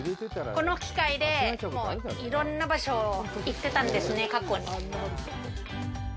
この機械で、もういろんな場所に行ってたんですね、過去に。